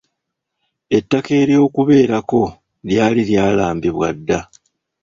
Ettaka ery'okubeerako lyali lyalambibwa dda.